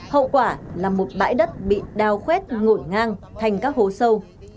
hậu quả là một bãi đất bị đào khuét ngổn ngang thành các hố sâu